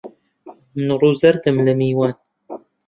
من ڕوو زەردم لە میوان